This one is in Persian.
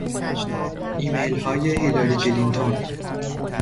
ایمیل های هیلاری کلینتون